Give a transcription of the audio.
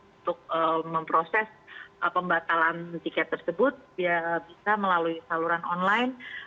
untuk memproses pembatalan tiket tersebut bisa melalui saluran online